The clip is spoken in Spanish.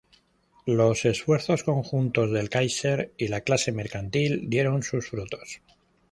Los esfuerzos conjuntos del "Kaiser" y la clase mercantil dieron sus frutos.